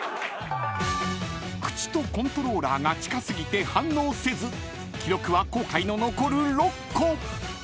［口とコントローラーが近過ぎて反応せず記録は後悔の残る］